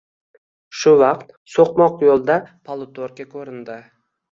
Shu vaqt so‘qmoq yo‘lda polutorka ko‘rindi.